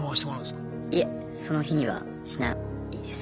いえその日にはしないです。